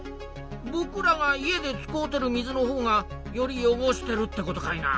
ぼくらが家で使うてる水のほうがより汚してるってことかいな。